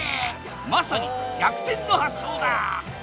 まさに逆転の発想だ！